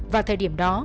vào thời điểm đó